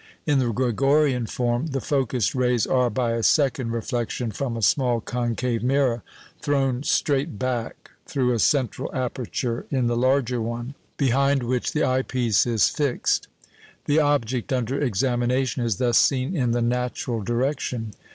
In the "Gregorian" form, the focussed rays are, by a second reflection from a small concave mirror, thrown straight back through a central aperture in the larger one, behind which the eye piece is fixed. The object under examination is thus seen in the natural direction.